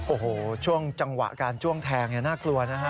โอ้โหช่วงจังหวะการจ้วงแทงน่ากลัวนะฮะ